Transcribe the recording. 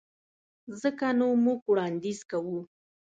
ځکه نو موږ وړانديز کوو.